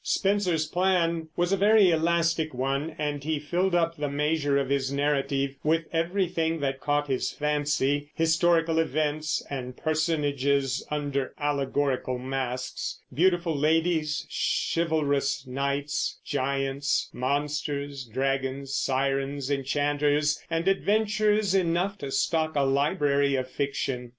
Spenser's plan was a very elastic one and he filled up the measure of his narrative with everything that caught his fancy, historical events and personages under allegorical masks, beautiful ladies, chivalrous knights, giants, monsters, dragons, sirens, enchanters, and adventures enough to stock a library of fiction.